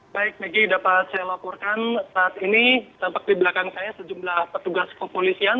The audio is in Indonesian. baik maggie dapat saya laporkan saat ini tampak di belakang saya sejumlah petugas kepolisian